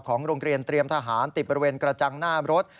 โรงเรียนเตรียมทหารติดบริเวณกระจังหน้ารถ